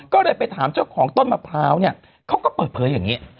ก็เลยไปถามเจ้าของต้นมะพร้าวเนี่ยเขาก็เปิดเผยอย่างนี้